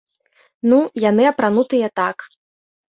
Ну, яны апранутыя так.